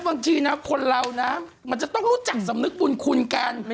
บางทีนะคนเรานะมันจะต้องรู้จักสำนึกบุญคุณกัน